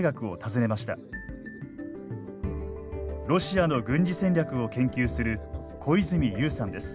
ロシアの軍事戦略を研究する小泉悠さんです。